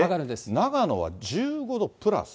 長野は１５度プラス？